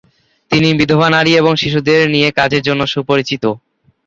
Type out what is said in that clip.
তিনি বিধবা নারী এবং শিশুদের নিয়ে কাজের জন্য সুপরিচিত।